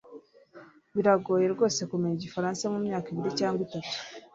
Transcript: biragoye rwose kumenya igifaransa mumyaka ibiri cyangwa itatu